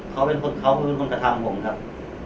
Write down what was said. เขาเป็นคนเขาเป็นคนกระทำผมครับ